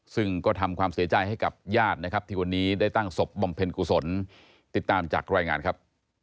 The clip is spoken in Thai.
ซึ่งก็ทำความเสียใจให้กับญาตินะครับที่วันนี้ได้ตั้งศพบำเพ็ญกุศลติดตามจากรายงานครับ